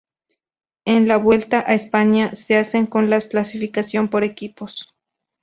En la Vuelta a España, se hacen con la clasificación por equipos.